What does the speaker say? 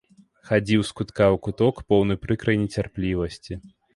Хадзіў з кутка ў куток, поўны прыкрай нецярплівасці.